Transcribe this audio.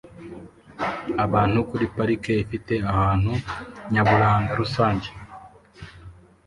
Abantu kuri parike ifite ahantu nyaburanga rusange